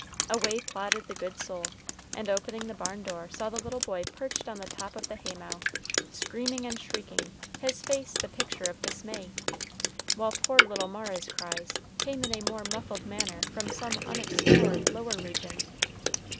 Away plodded the good soul, and opening the barn door saw the little boy perched on the top of the hay mow, screaming and shrieking, his face the picture of dismay, while poor little Mara's cries came in a more muffled manner from some unexplored lower region.